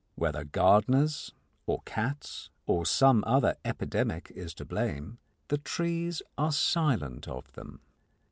Whether gardeners or cats or some other epidemic is to blame, the trees are silent of them.